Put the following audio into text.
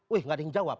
wih gak ada yang jawab